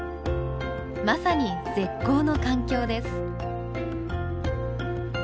まさに絶好の環境です。